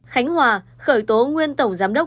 khánh hòa khởi tố nguyên tổng giám đốc